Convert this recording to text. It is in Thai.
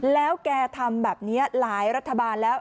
แล้วแกทำแบบนี้หลายรัฐบาลแล้ว